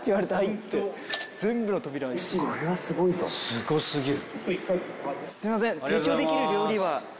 すご過ぎる。